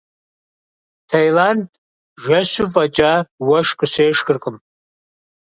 Таиланд жэщу фӏэкӏа уэшх къыщешхыркъым.